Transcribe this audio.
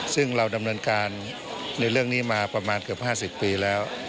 ซึ่งเราดำเนินการในเรื่องนี้มาประมาณเกือบ๕๐ปีแล้ว